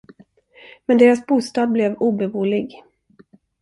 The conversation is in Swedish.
Men deras bostad blev obeboelig.